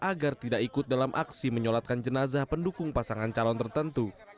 agar tidak ikut dalam aksi menyolatkan jenazah pendukung pasangan calon tertentu